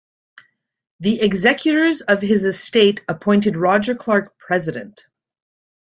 The executors of his estate appointed Roger Clark president.